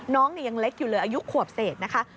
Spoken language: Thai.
น้องยังเล็กอยู่เลยอายุขวบเศษนะคะ